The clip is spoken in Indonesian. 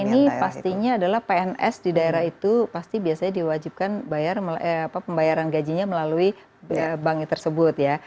ini pastinya adalah pns di daerah itu pasti biasanya diwajibkan pembayaran gajinya melalui bank tersebut ya